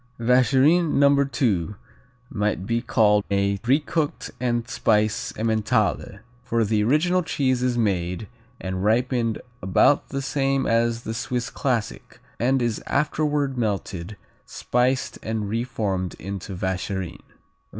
Vacherin No. II might be called a re cooked and spiced Emmentaler, for the original cheese is made, and ripened about the same as the Swiss classic and is afterward melted, spiced and reformed into Vacherin.